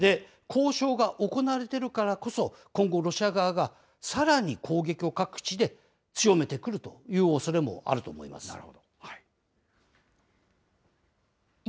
交渉が行われているからこそ、今後ロシア側がさらに攻撃を各地で強めてくるというおそれもあると思います。